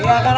iya pak rw